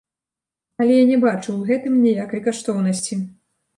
Але я не бачу ў гэтым ніякай каштоўнасці.